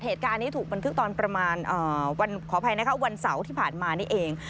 เหตุการณ์นี้ถูกบันทึกตอนประมาณวันขออภัยนะคะวันเสาร์ที่ผ่านมานี่เอง